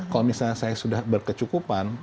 kalau misalnya saya sudah berkecukupan